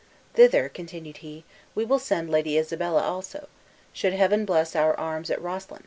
"Thither," continued he, "we will send Lady Isabella also, should Heaven bless our arms at Roslyn."